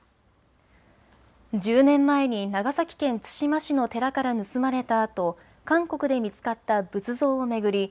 １０年前に長崎県対馬市の寺から盗まれたあと韓国で見つかった仏像を巡り